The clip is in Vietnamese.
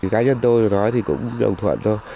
cái nhân tôi nói thì cũng đồng thuận thôi